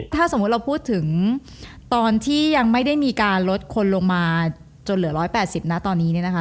ถ้าสมมุติเราพูดถึงตอนที่ยังไม่ได้มีการลดคนลงมาจนเหลือ๑๘๐นะตอนนี้เนี่ยนะคะ